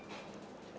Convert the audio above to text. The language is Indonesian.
saya sudah menangis